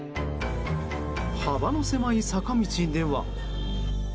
幅の狭い坂道では。